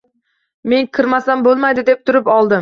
Men “kirmasam bo’lmaydi”, deb turib oldim.